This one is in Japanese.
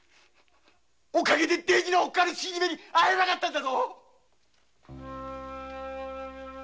おかげで大事なおっかあの死に目に会えなかったんだぞ！